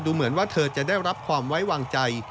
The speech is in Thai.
เหมือนว่าเธอจะได้รับความไว้วางใจ